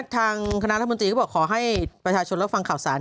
ทางคณะรัฐมนตรีก็บอกขอให้ประชาชนรับฟังข่าวสาร